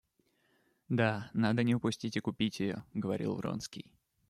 Да, надо не упустить и купить ее, — говорил Вронский.